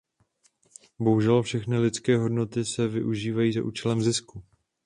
Bohužel všechny lidské hodnoty se využívají za účelem zisku.